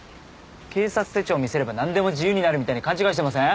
警察手帳見せればなんでも自由になるみたいに勘違いしてません？